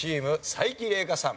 才木玲佳さん